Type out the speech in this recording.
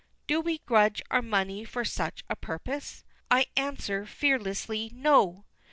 Do we grudge our money for such a purpose? I answer, fearlessly, No!